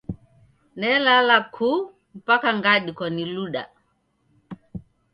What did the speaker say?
Nelala ku mpaka ngadikwa ni luda.